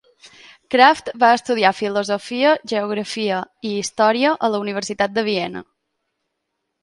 Kraft va estudiar filosofia, geografia i història a la Universitat de Viena.